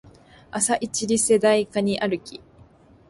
朝イチリセ台カニ歩き